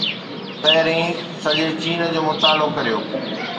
پهرين سڄي چين جو مطالعو ڪريو.